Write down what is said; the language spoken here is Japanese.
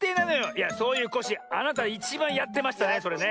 いやそういうコッシーあなたいちばんやってましたねそれね。